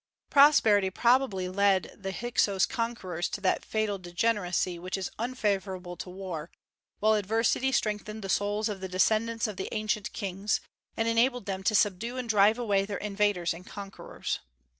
Prosperity probably led the Hyksos conquerors to that fatal degeneracy which is unfavorable to war, while adversity strengthened the souls of the descendants of the ancient kings, and enabled them to subdue and drive away their invaders and conquerors.